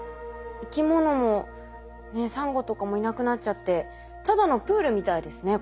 生き物もサンゴとかもいなくなっちゃってただのプールみたいですね